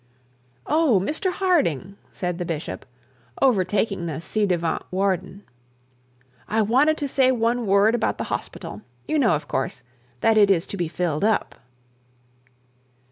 'Oh, Mr Harding,' said the bishop, overtaking the ci devant warden; 'I wanted to say one word about the hospital. You know, of course, that it is to be filled up.'